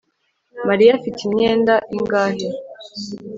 Mariya afite imyenda ingahe